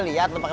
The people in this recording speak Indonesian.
pihak ini siapa